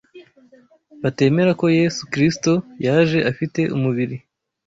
batemera ko Yesu Kristo yaje afite umubiri